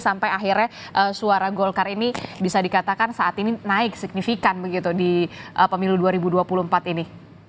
sampai akhirnya suara golkar ini bisa dikatakan saat ini naik signifikan begitu di pemilu dua ribu dua puluh empat ini